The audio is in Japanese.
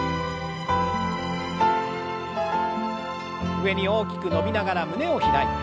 上に大きく伸びながら胸を開いて。